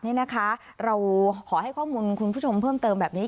เราขอให้ข้อมูลเพิ่มเติมแบบนี้